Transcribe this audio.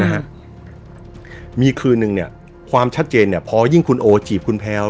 นะฮะมีคืนนึงเนี่ยความชัดเจนเนี่ยพอยิ่งคุณโอจีบคุณแพลว